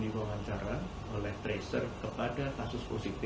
baik terima kasih